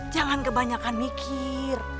jangan kebanyakan mikir